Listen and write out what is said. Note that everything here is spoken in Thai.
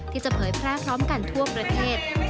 ที่จะเผยแพร่พร้อมกันทั่วประเทศ